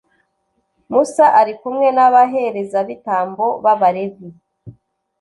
musa ari kumwe n’abaherezabitambo b’abalevi,